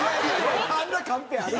あんなカンペある？